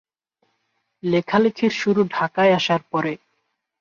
লেখালেখির শুরু ঢাকায় আসার পরে।